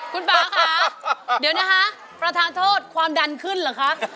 คุณป่าค่ะเดี๋ยวนะคะประธานโทษความดันขึ้นเหรอคะ